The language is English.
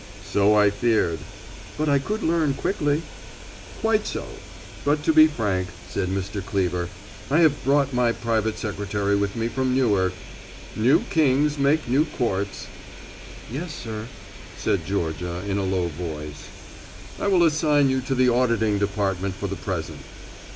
"So I feared." "But I could learn quickly." "Quite so. But to be frank," said Mr. Cleever, "I have brought my private secretary with me from Newark." New kings make new courts. "Yes, sir," said Georgia in a low voice. "I will assign you to the auditing department for the present."